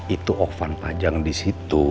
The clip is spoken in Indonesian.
itu alvan pajang di situ